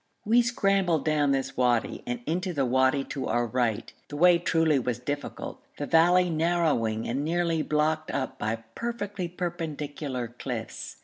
We scrambled down this wadi, and into the wadi to our right; the way truly was difficult, the valley narrowing and nearly blocked up by perfectly perpendicular cliffs.